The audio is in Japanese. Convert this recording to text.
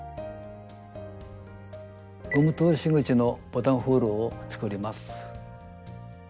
ゴム通し口のボタンホールを作ります。